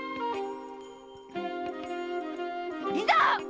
いざ！